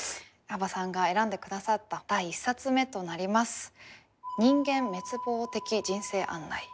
幅さんが選んで下さった第１冊目となります「人間滅亡的人生案内」。